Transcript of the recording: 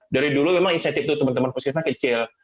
dari dulu memang insentif tuh teman teman puskesmas kecil